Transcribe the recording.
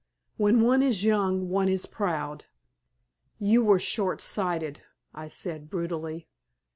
When one is young one is proud." "You were short sighted," I said, brutally.